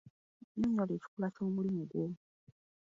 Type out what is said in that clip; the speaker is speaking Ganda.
Nnyonyola ekikula ky'omulimu gwo.